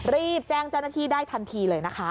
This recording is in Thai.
รีบแจ้งเจ้าหน้าที่ได้ทันทีเลยนะคะ